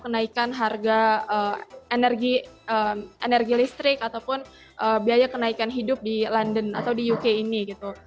kenaikan harga energi listrik ataupun biaya kenaikan hidup di london atau di uk ini gitu